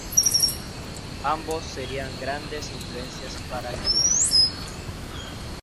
Ambos serían grandes influencias para el grupo.